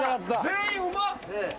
全員うまっ！